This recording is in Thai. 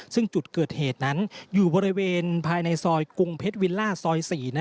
ซึ่งจุดเกิดเหตุนั้นอยู่บริเวณภายในซอยกรุงเพชรวิลล่าซอย๔